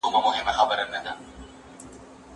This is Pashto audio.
که دواړو ګډ کار کاوه عايد به يې څنګه نيمېږي؟